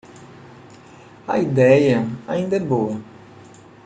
A ideia ainda é boa.